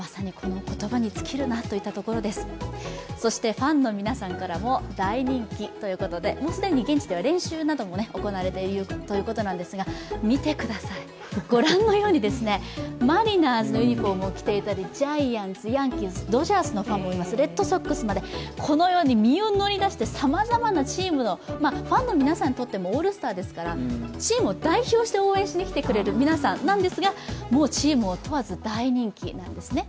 ファンの皆さんからも大人気ということでもう既に現地では練習なども行われているということなんですが、見てください、ご覧のようにマリナーズのユニフォームを着ていたり、ジャイアンツ、ドジャースのファンもいます、レッドソックスまで、このように身を乗り出してさまざまなチームのファンの皆さんにとってもオールスターですからチームを代表して応援しにきてくれる皆さんなんですがもうチームを問わず大人気なんですね。